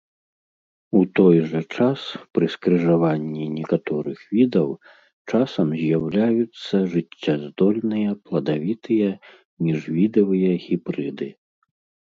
У той жа час пры скрыжаванні некаторых відаў часам з'яўляюцца жыццяздольныя пладавітыя міжвідавыя гібрыды.